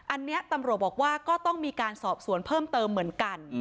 อันนี้ตำรวจบอกว่าก็ต้องมีการสอบสวนเพิ่มเติมเหมือนกัน